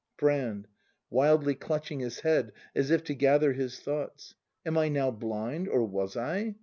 Brand. [Wildly clutching his head as if to gather his thoughts.] Am I now blind ? Or w a s I